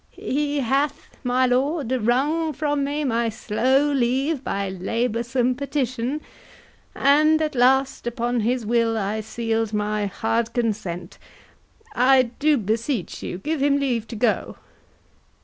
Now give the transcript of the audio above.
He hath, my lord, wrung from me my slow leave By laboursome petition; and at last Upon his will I seal'd my hard consent. I do beseech you give him leave to go.